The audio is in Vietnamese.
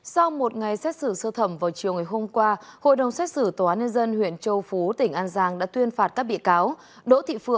sau một ngày xét xử sơ thẩm vào chiều ngày hôm qua hội đồng xét xử tòa án nhân dân huyện châu phú tỉnh an giang đã tuyên phạt các bị cáo